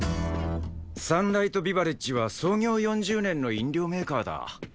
サンライトビバレッジは創業４０年の飲料メーカーだ。